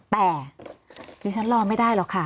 แต่ดิฉันรอไม่ได้หรอกค่ะ